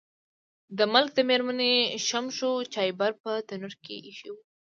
د ملک د میرمنې شمشو چایبر په تنور کې ایښی و.